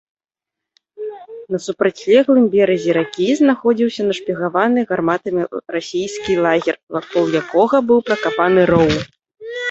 На супрацьлеглым беразе ракі знаходзіўся нашпігаваны гарматамі расійскі лагер, вакол якога быў пракопаны роў.